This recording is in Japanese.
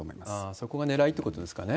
そこがねらいということですかね。